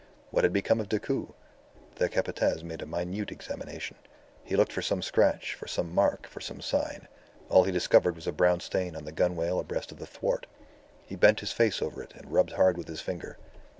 What had become of Decoud? The Capataz made a minute examination. He looked for some scratch, for some mark, for some sign. All he discovered was a brown stain on the gunwale abreast of the thwart. He bent his face over it and rubbed hard with his finger.